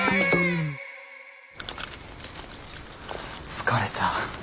疲れた。